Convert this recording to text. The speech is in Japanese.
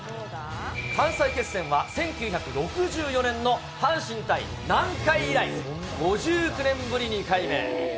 関西決戦は１９６４年の阪神対南海以来、５９年ぶり２回目。